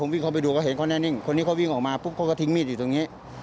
วิ่งเข้าไปดูก็เห็นเขาแน่นิ่งคนนี้เขาวิ่งออกมาปุ๊บเขาก็ทิ้งมีดอยู่ตรงนี้